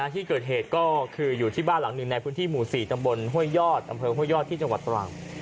ที่เกิดเหตุก็คืออยู่ที่บ้านหลังหนึ่งในพื้นที่หมู่๔ตำบลห้วยยอดอำเภอห้วยยอดที่จังหวัดตรัง